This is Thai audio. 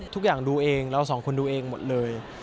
ทุกอย่างดูเองเราสองคนดูเองหมดเลย